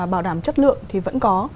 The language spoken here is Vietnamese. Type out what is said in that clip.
bảo đảm chất lượng thì vẫn có